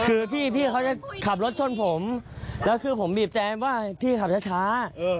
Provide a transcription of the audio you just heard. คือพี่เขาจะขับรถชนผมแล้วคือผมบีบแจมว่าพี่ขับช้า